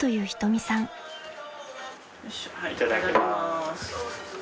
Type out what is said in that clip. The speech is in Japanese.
いただきます。